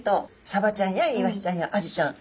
サバちゃんやイワシちゃんやアジちゃん。